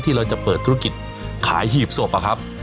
เราจะเปิดธุรกิจขายหีบศพอะครับ